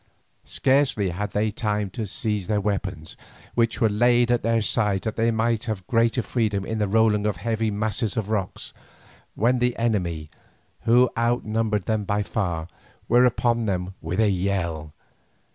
Scarcely had they time to seize their weapons, which were laid at their sides that they might have the greater freedom in the rolling of heavy masses of rock, when the enemy, who outnumbered them by far, were upon them with a yell.